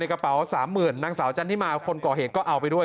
กระเป๋าสามหมื่นนางสาวจันทิมาคนก่อเหตุก็เอาไปด้วย